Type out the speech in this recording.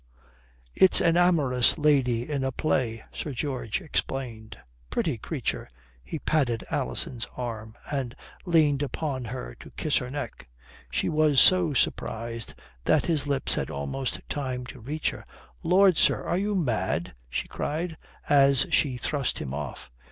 "It's an amorous lady in a play," Sir George explained. "Pretty creature," he patted Alison's arm, and leaned upon her to kiss her neck. She was so surprised that his lips had almost time to reach her. "Lord, sir, are you mad?" she cried, as she thrust him off.